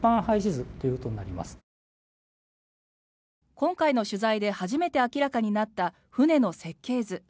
今回の取材で初めて明らかになった船の設計図。